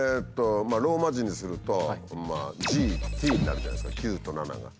ローマ字にすると「ｇ」「Ｔ」になるじゃないですか「９」と「７」が。